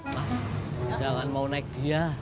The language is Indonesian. mas jangan mau naik dia